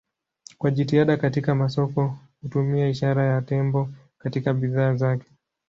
Kwa jitihada katika masoko hutumia ishara ya tembo katika bidhaa zake.